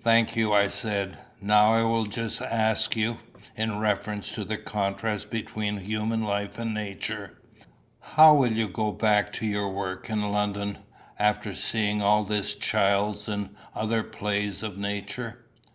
"Thank you," I said. "Now I will just ask you, in reference to the contrast between human life and nature, how you will go back to your work in London, after seeing all this child's and other play of Nature?